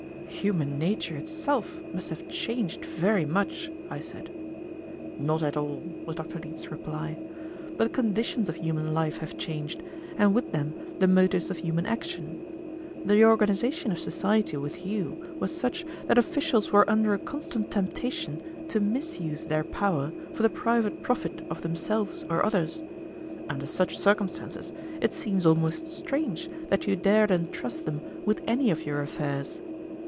"Human nature itself must have changed very much," I said. "Not at all," was Dr. Leete's reply, "but the conditions of human life have changed, and with them the motives of human action. The organization of society with you was such that officials were under a constant temptation to misuse their power for the private profit of themselves or others. Under such circumstances it seems almost strange that you dared entrust them with any of your affairs.